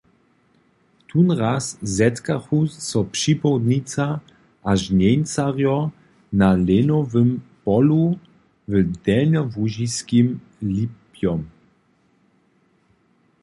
Tónraz zetkachu so připołdnica a žnjencarjo na lenowym polu w delnjołužiskim Lipjom.